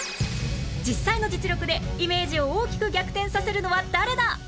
実際の実力でイメージを大きく逆転させるのは誰だ？